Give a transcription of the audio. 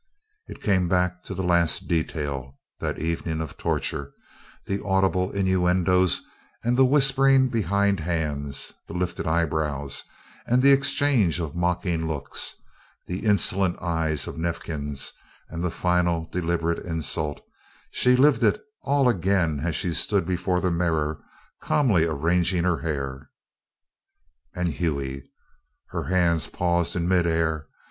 It came back to the last detail, that evening of torture the audible innuendos and the whispering behind hands, the lifted eyebrows and the exchange of mocking looks, the insolent eyes of Neifkins, and the final deliberate insult she lived it all again as she stood before the mirror calmly arranging her hair. And Hughie! Her hands paused in mid air.